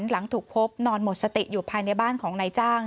หลังถูกพบนอนหมดสติอยู่ภายในบ้านของนายจ้าง